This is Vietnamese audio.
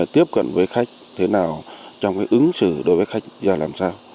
tiếp cận với khách thế nào trong ứng xử đối với khách làm sao